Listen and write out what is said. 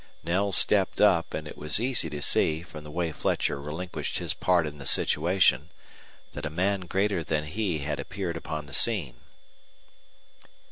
Knell stepped up, and it was easy to see, from the way Fletcher relinquished his part in the situation, that a man greater than he had appeared upon the scene.